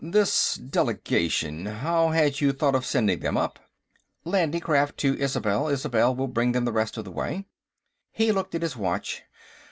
"This delegation; how had you thought of sending them up?" "Landing craft to Isobel; Isobel will bring them the rest of the way." He looked at his watch.